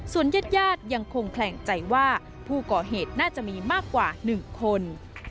ญาติยังคงแขลงใจว่าผู้ก่อเหตุน่าจะมีมากกว่า๑คน